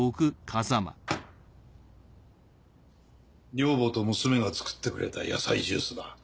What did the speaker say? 女房と娘が作ってくれた野菜ジュースだ。